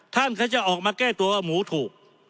ท่านเขาจะออกมาแก้ตัวว่าหมูถูก